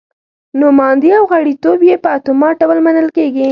نوماندي او غړیتوب یې په اتومات ډول منل کېږي.